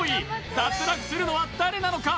脱落するのは誰なのか？